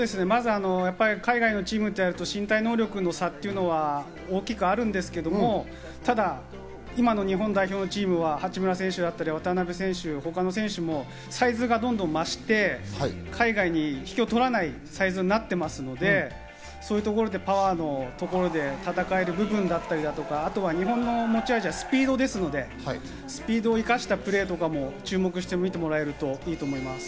海外のチームとやると身体能力の差というのは大きくはあるんですけど、ただ今の日本代表のチームは八村選手や渡邊選手、他の選手もサイズがどんどん増して海外に引けを取らないサイズになっていますので、そういうところでパワーのところで戦える部分だったり、あとは日本の持ち味はスピードですのでスピードを生かしたプレーとかも注目して見てもらえるといいと思います。